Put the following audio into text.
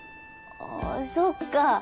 あっそっか。